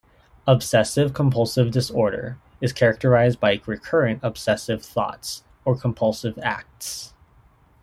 Obsessive-compulsive disorder is characterized by recurrent obsessive thoughts or compulsive acts.